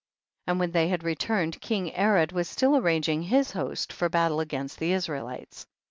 6. And when they returned, king Arad was still arranging his host for battle against the Israelites.